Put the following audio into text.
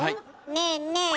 ねえねえ